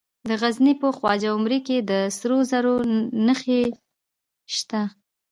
د غزني په خواجه عمري کې د سرو زرو نښې شته.